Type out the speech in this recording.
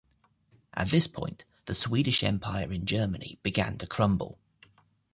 At this point, the Swedish empire in Germany began to crumble.